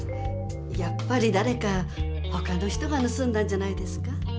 やっぱりだれかほかの人がぬすんだんじゃないですか？